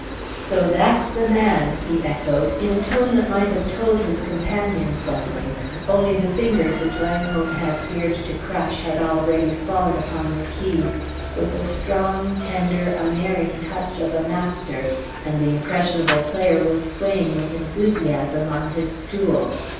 "So that's the man!" he echoed, in a tone that might have told his companion something, only the fingers which Langholm had feared to crush had already fallen upon the keys, with the strong, tender, unerring touch of a master, and the impressionable player was swaying with enthusiasm on his stool.